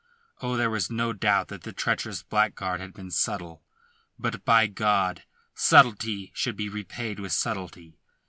Oh, there was no doubt that the treacherous blackguard had been subtle. But by God! subtlety should be repaid with subtlety!